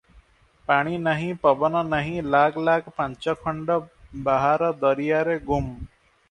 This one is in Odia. ପାଣି ନାହିଁ, ପବନ ନାହିଁ ଲାଗ ଲାଗ ପାଞ୍ଚ ଖଣ୍ଡ ବାହାର ଦରିଆରେ ଗୁମ୍!